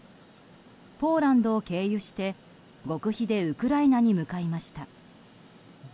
ポーランドを経由して、極秘でウクライナに向かいました。